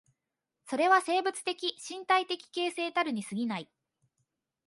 それは生物的身体的形成たるに過ぎない。